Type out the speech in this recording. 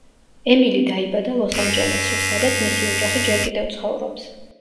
ემილი დაიბადა ლოს-ანჯელესში, სადაც მისი ოჯახი ჯერ კიდევ ცხოვრობს.